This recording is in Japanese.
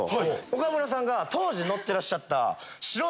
岡村さんが当時乗ってらっしゃった。